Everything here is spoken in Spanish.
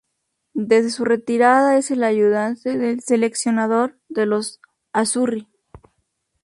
Desde su retirada es el ayudante del seleccionador de los "Azzurri".